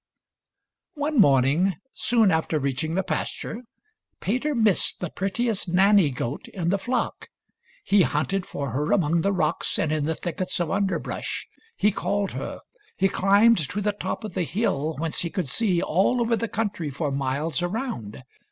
One morning, soon after reaching the pasture, Peter missed the prettiest Nanny goat in the flock. He hunted for her among the rocks and in the thickets of underbrush ; he called her ; he climbed to the top of the hill whence he could see all over the country for miles around.